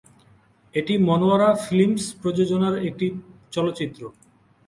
এটি মনোয়ারা ফিল্মস্ প্রযোজনার একটি চলচ্চিত্র।